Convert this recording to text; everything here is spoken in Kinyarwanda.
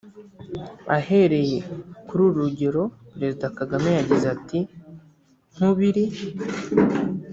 Ahereye kuri uru rugero Perezida Kagame yagize ati “Nkubiri